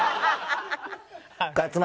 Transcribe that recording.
勝俣。